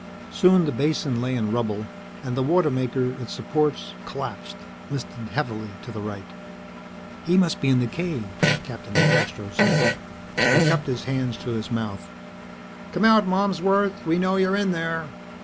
Soon the basin lay in rubble, and the water maker, its supports collapsed, listed heavily to the right. "He must be in the cave," Captain DeCastros said. He cupped his hands to his mouth. "Come out, Malmsworth, we know you're in there!"